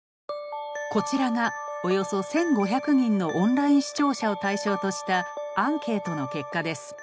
こちらがおよそ１，５００人のオンライン視聴者を対象としたアンケートの結果です。